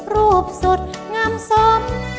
รูปสดงามสม